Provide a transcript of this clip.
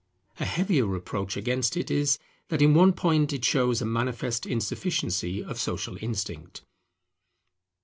A heavier reproach against it is, that in one point it shows a manifest insufficiency of social instinct.